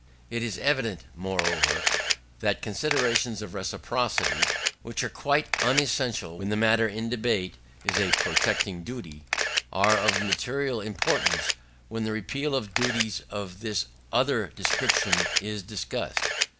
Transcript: It is evident, moreover, that considerations of reciprocity, which are quite unessential when the matter in debate is a protecting duty, are of material importance when the repeal of duties of this other description is discussed.